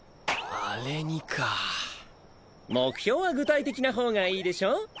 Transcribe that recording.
目標は具体的な方がいいでしょ。